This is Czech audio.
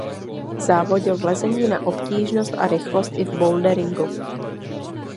Závodil v lezení na obtížnost a rychlost i v boulderingu.